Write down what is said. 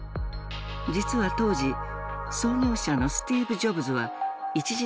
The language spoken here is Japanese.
実は当時創業者のスティーブジョブズは一時的に経営を離脱。